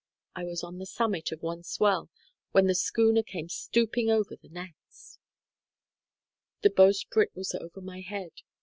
I was on the summit of one swell when the schooner came stooping over the next. The bowsprit was over my head.